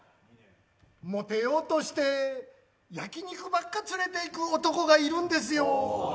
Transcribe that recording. もてようとして焼き肉ばっか連れていく男がいるんですよ。